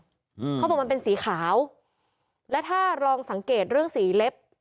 เขาบอกมันเป็นสีขาวและถ้าลองสังเกตเรื่องสีเล็บ